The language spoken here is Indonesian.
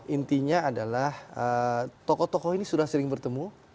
intinya adalah tokoh tokoh ini sudah sering bertemu